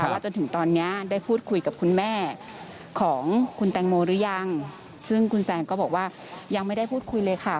จนถึงตอนนี้ได้พูดคุยกับคุณแม่ของคุณแตงโมหรือยังซึ่งคุณแซนก็บอกว่ายังไม่ได้พูดคุยเลยค่ะ